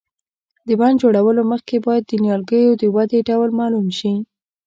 د بڼ جوړولو مخکې باید د نیالګیو د ودې ډول معلوم شي.